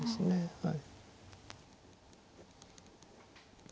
はい。